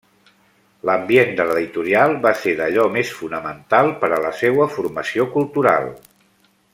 L'ambient de l'editorial va ser d'allò més fonamental per a la seua formació cultural.